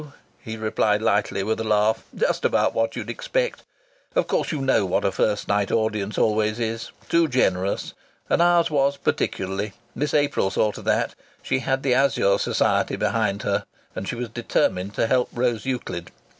he replied lightly, with a laugh. "Just about what you'd expect. Of course you know what a first night audience always is. Too generous. And ours was, particularly. Miss April saw to that. She had the Azure Society behind her, and she was determined to help Rose Euclid.